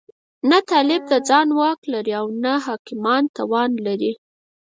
نه طالب د ځان واک لري او نه حاکمان توان لري.